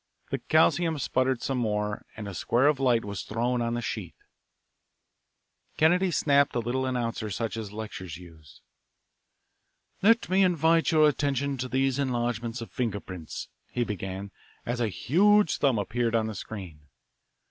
The calcium sputtered some more, and a square of light was thrown on the sheet. Kennedy snapped a little announcer such as lecturers use. "Let me invite your attention to these enlargements of finger prints," he began, as a huge thumb appeared on the screen.